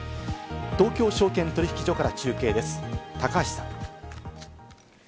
東京証券取引所から中継です、高橋さん。